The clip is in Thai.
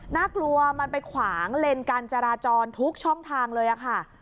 น่ากลัวมันไปขวางเลนการจราจรทุกช่องทางเลยค่ะ